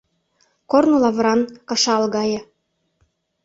Корно лавыран, кышал гае.